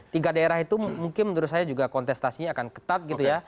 tiga daerah itu mungkin menurut saya juga kontestasinya akan ketat gitu ya